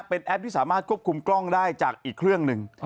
เป็นแอปที่สามารถควบคุมกล้องได้จากอีกเครื่องหนึ่ง